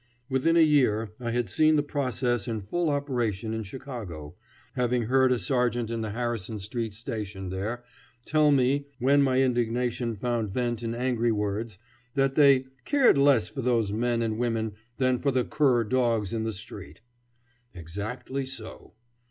Within a year I have seen the process in full operation in Chicago, have heard a sergeant in the Harrison Street Station there tell me, when my indignation found vent in angry words, that they "cared less for those men and women than for the cur dogs in the street." Exactly so!